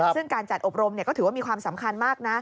ซึ่งการจัดอบรมก็ถือว่ามีความสำคัญมากนะ